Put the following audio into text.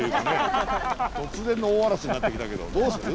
突然の大嵐になってきたけどどうする？